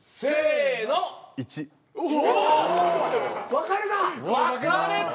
分かれた。